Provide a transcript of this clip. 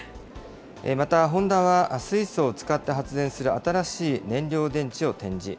また、ホンダは、水素を使って発電する新しい燃料電池を展示。